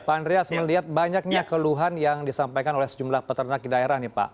pak andreas melihat banyaknya keluhan yang disampaikan oleh sejumlah peternak di daerah nih pak